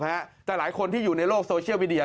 แต่หลายคนที่อยู่ในโลกโซเชียลมีเดีย